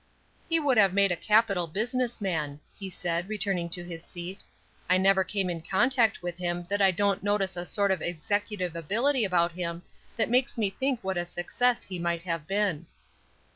"He would have made a capital business man," he said, returning to his seat. "I never come in contact with him that I don't notice a sort of executive ability about him that makes me think what a success he might have been."